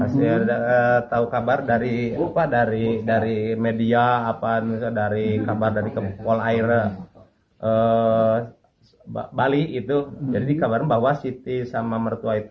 setelah membunuh siti